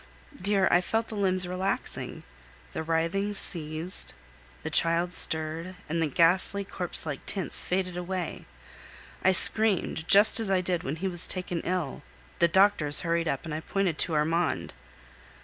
Dear, I felt the limbs relaxing; the writhings ceased, the child stirred, and the ghastly, corpselike tints faded away! I screamed, just as I did when he was taken ill; the doctors hurried up, and I pointed to Armand.